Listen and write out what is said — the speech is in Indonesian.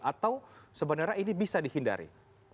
atau sebenarnya ini bisa dihindari